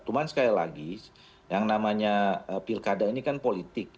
cuma sekali lagi yang namanya pilkada ini kan politik